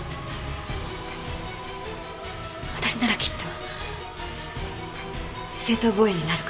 私ならきっと正当防衛になるから。